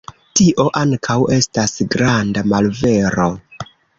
Tio ankaŭ estas granda malvero.